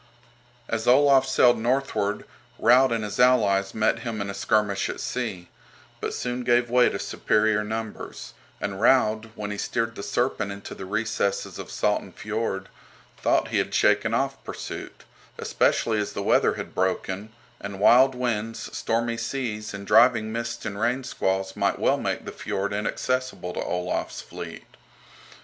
As Olaf sailed northward Raud and his allies met him in a skirmish at sea, but soon gave way to superior numbers, and Raud, when he steered the "Serpent" into the recesses of Salten Fiord, thought he had shaken off pursuit, especially as the weather had broken, and wild winds, stormy seas, and driving mists and rain squalls might well make the fiord inaccessible to Olaf's fleet.